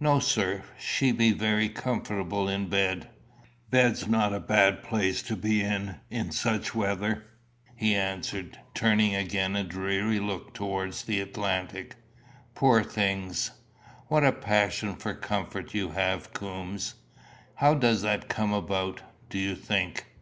"No, sir. She be very comfortable in bed. Bed's not a bad place to be in in such weather," he answered, turning again a dreary look towards the Atlantic. "Poor things!" "What a passion for comfort you have, Coombes! How does that come about, do you think?"